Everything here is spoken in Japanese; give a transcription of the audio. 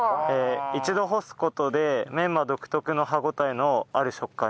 一度干す事でメンマ独特の歯応えのある食感になります。